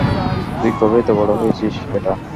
তুই কবে এত বড় হয়েছিস বেটা?